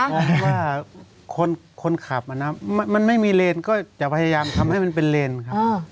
มองว่าคนขับมันไม่มีเลนก็จะพยายามทำให้มันเป็นเลนครับ